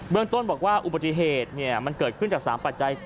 เมืองต้นบอกว่าอุบัติเหตุมันเกิดขึ้นจาก๓ปัจจัย